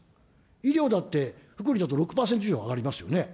医療だって福利だと６％以上上がりますよね。